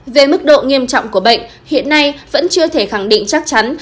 về mức độ nghiêm trọng của bệnh hiện nay vẫn chưa thể khẳng định chắc chắn